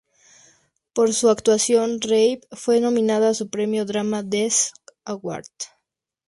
Por su actuación Rabe fue nominada a un premio Drama Desk Award.